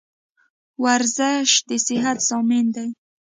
ورزش دصحت ضامن دي.